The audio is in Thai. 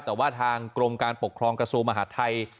แต่ว่าทางกรมการปกครองกระทรวงมหาดไทย